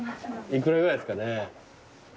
幾らぐらいですかね。